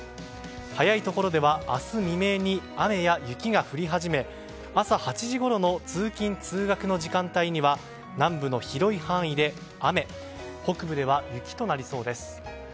早いところでは明日未明に雨や雪が降り始め朝８時ごろの通勤・通学の時間帯には南部の広い範囲で雨北部では雪となりそうです。